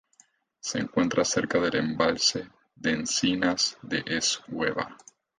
Se encuentra cerca del Embalse de Encinas de Esgueva.